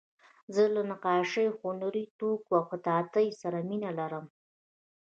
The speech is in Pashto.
زه له نقاشۍ، هنري توکیو، خطاطۍ سره مینه لرم.